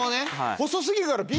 細過ぎるから。